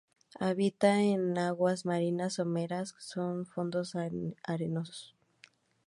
Habita en aguas marinas someras con fondos arenosos.